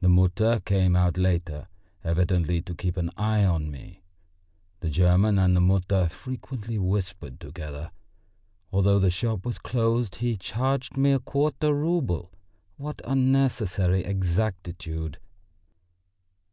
The Mutter came out later, evidently to keep an eye on me. The German and the Mutter frequently whispered together. Although the shop was closed he charged me a quarter rouble! What unnecessary exactitude!